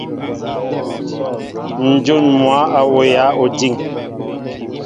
Njŭn mwă a wowya ojiŋ.